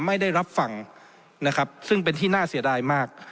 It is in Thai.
ไม่ได้รับฟังนะครับซึ่งเป็นที่น่าเสียดายมาก